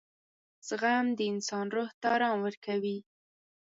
• زغم د انسان روح ته آرام ورکوي.